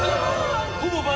ほぼ倍！